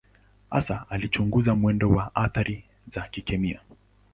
Hasa alichunguza mwendo wa athari za kikemia.